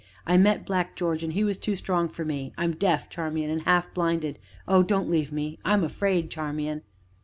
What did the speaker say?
I met Black George, and he was too strong for me. I'm deaf, Charmian, and half blinded oh, don't leave me I'm afraid, Charmian!"